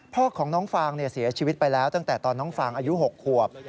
พ่อของน้องฟางเสียชีวิตไปแล้วตั้งแต่ตอนน้องฟางอายุ๖ขวบ